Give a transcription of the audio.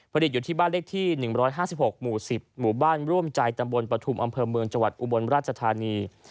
อยู่ที่บ้านเลขที่๑๕๖หมู่๑๐หมู่บ้านร่วมใจตำบลปฐุมอำเภอเมืองจังหวัดอุบลราชธานี